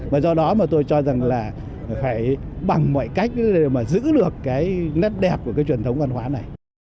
và do đó mà tôi cho rằng là phải bằng mọi cách để mà giữ được cái nét đẹp của cái truyền thống văn hóa này